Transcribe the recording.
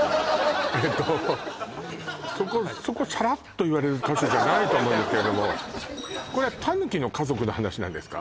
えとそこさらっと言われる箇所じゃないと思うんですけどもこれは狸の家族の話なんですか？